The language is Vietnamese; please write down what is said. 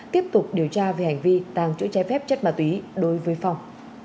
tiếp tục điều tra về hành vi tăng chữa chai phép chất ma tùy đối với phong